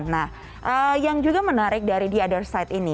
nah yang juga menarik dari the other side ini